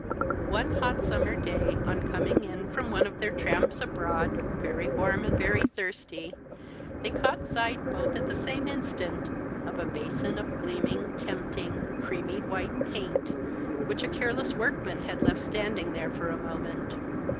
One hot summer day, on coming in from one of their tramps abroad, very warm and very thirsty, they caught sight, both at the same instant, of a basin of gleaming, tempting, creamy white paint, which a careless workman had left standing there for a moment.